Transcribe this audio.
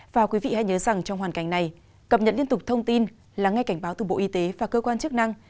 và quý vị hãy nhớ rằng trong hoàn cảnh này cập nhật liên tục thông tin lắng nghe cảnh báo từ bộ y tế và cơ quan chức năng